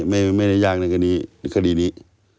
ไม่ได้ยากในคดีนี้